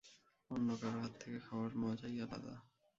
অন্য কারো হাত থেকে খাওয়ার, মজাই আলাদ।